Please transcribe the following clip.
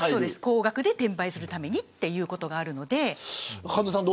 高額で転売するためにということがあるので。